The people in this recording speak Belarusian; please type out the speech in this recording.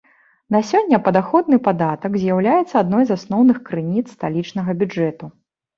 На сёння падаходны падатак з'яўляецца адной з асноўных крыніц сталічнага бюджэту.